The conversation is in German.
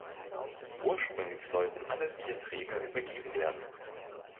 Ursprünglich sollten alle vier Träger übergeben werden.